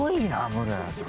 ムロヤさん。